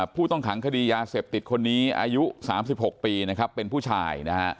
ผู้ต้องขังคดียาเสพติดคนนี้อายุ๓๖ปีนะครับเป็นผู้ชายนะฮะ